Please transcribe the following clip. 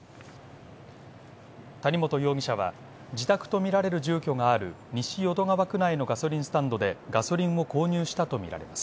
谷本容疑者は、自宅とみられる住居がある西淀川区内のガソリンスタンドでガソリンを購入したとみられます。